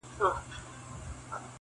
له نیکانو سره ظلم دی جفا ده ,